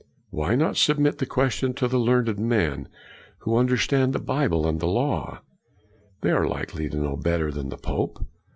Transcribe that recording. Why not submit the question to learned men who under stand the Bible and the law? They are likely to know better than the pope.